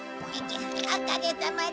おかげさまで。